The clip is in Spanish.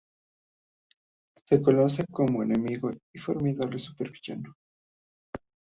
Se le conoce como un enemigo y formidable supervillano.